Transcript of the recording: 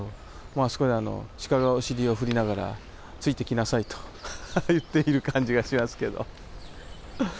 あそこにあの鹿がお尻を振りながらついてきなさいと言っている感じがしますけど。